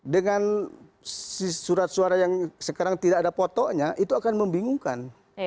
dengan surat suara yang sekarang tidak ada fotonya itu akan membingungkan